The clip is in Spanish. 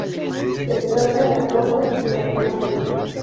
Se trata de acuerdos bilaterales.